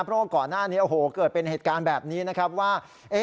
เพราะว่าก่อนหน้านี้โอ้โหเกิดเป็นเหตุการณ์แบบนี้นะครับว่า